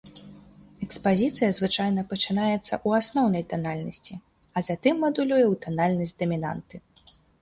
Экспазіцыя звычайна пачынаецца ў асноўнай танальнасці, а затым мадулюе ў танальнасць дамінанты.